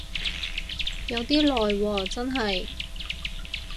有啲耐喎真係